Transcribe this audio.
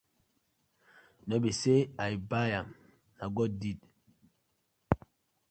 No bie say I bai am na god ded.